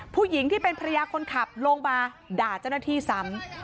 ผู้หญิงที่เป็นภรรยาคนขับลงมาด่าเจ้าหน้าที่ซ้ำ